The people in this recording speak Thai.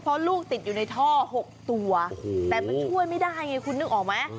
เพราะลูกติดอยู่ในท่อ๖ตัวแต่มันช่วยไม่ได้ไงคุณนึกออกไหม